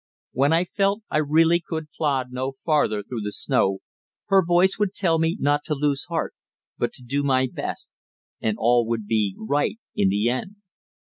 When I felt I really could plod no farther through the snow, her voice would tell me not to lose heart, but to do my best, and all would be right in the end.